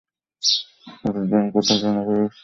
ছুটির দিন, কোথায় যেন বেরুচ্ছিলেন।